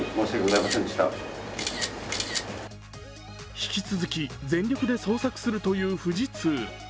引き続き全力で捜索するという富士通。